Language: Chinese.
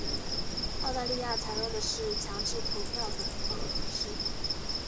澳大利亚采用的是强制投票的方式。